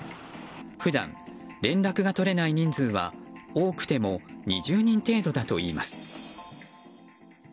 普段、連絡が取れない人数は多くても２０人程度だといいます。